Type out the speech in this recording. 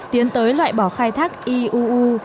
tiến tới loại bỏ khai thác iuu